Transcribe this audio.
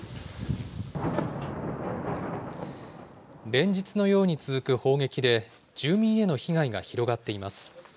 連日のように続く砲撃で、住民への被害が広がっています。